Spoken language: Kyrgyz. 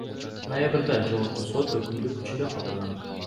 Ноябрда Жогорку сот өкүмдү күчүндө калтырган.